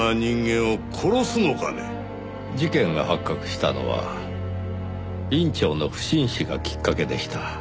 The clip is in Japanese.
事件が発覚したのは院長の不審死がきっかけでした。